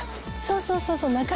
そうそうそうそう。